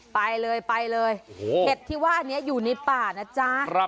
ไปเลยไปเลยเห็ดที่ว่านี้อยู่ในป่านะจ๊ะ